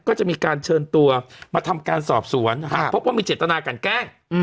ก็จะมีการเชิญตัวมาทำการสอบสวนหากพบว่ามีเจตนากันแกล้ง